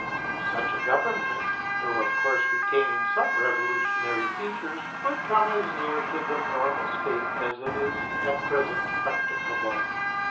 Such a government, though of course retaining some revolutionary features, would come as near to the normal state as is at present practicable.